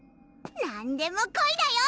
何でも来いだよ！